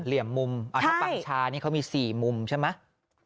เหลี่ยมมุมถ้าปังชานี่เขามี๔มุมใช่ไหม